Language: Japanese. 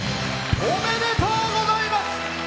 おめでとうございます！